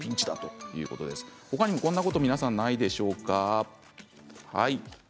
他にもこんなこと皆さんないでしょうか。